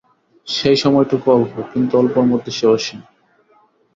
সেই সময়টুকু অল্প, কিন্তু অল্পের মধ্যে সে অসীম।